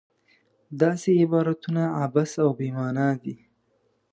داسې عبارتونه عبث او بې معنا دي.